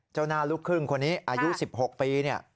เจ้าหน้าลูกครึ่งคนนี้อายุสิบหกปีเนี่ย